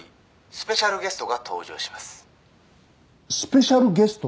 スペシャルゲスト？